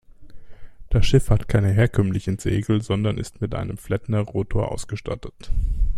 Das Schiff hat keine herkömmlichen Segel, sondern ist mit einem Flettner-Rotor ausgestattet.